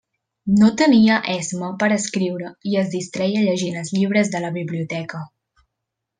No tenia esma per escriure i es distreia llegint els llibres de la biblioteca.